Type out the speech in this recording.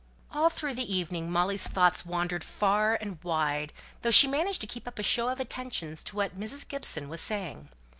All through the evening Molly's thoughts wandered far and wide, though she managed to keep up a show of attention to what Mrs. Gibson was saying.